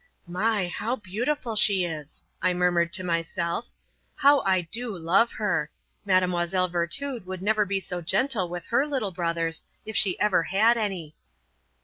"My! How beautiful she is," I murmured to myself. "How I do love her! Mlle. Virtud would never be so gentle with her little brothers, if she ever had any."